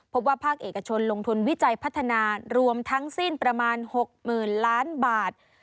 ภาคเอกชนลงทุนวิจัยพัฒนารวมทั้งสิ้นประมาณ๖๐๐๐ล้านบาท